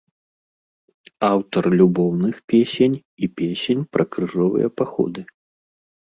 Аўтар любоўных песень і песень пра крыжовыя паходы.